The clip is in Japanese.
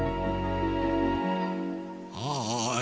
はい！